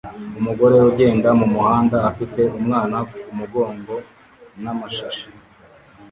Umugore ugenda mumuhanda afite umwana kumugongo namashashi